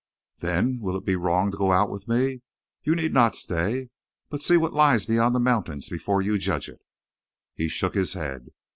"Then, will it be wrong to go out with me? You need not stay! But see what lies beyond the mountains before you judge it!" He shook his head.